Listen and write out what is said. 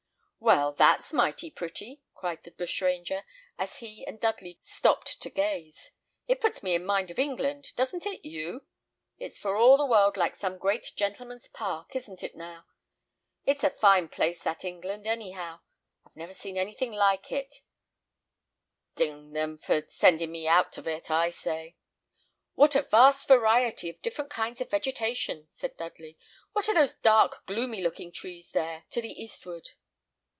"Well, that's mighty pretty!" cried the bushranger, as he and Dudley stopped to gaze. "It puts me in mind of England doesn't it you? It's for all the world like some great gentleman's park, isn't it now? It's a fine place that England, any how. I've never seen anything like it; d n them for sending me out of it, I say!" "What a vast variety of different kinds of vegetation!" said Dudley. "What are those dark, gloomy looking trees there, to the eastward?"